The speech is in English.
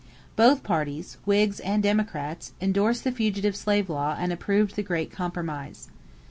Both parties, Whigs and Democrats, endorsed the fugitive slave law and approved the Great Compromise.